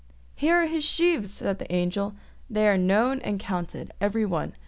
"Here are his sheaves!" said the Angel. "They are known and counted, every one."